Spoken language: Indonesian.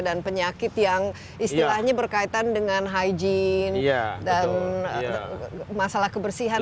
dan penyakit yang istilahnya berkaitan dengan hygiene dan masalah kebersihan